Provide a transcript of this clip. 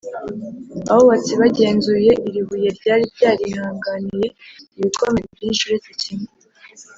abubatsi bagenzuye iri buye ryari ryarihanganiye ibikomeye byinshi uretse kimwe